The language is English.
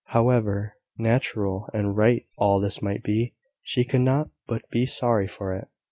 However natural and right all this might be, she could not but be sorry for it.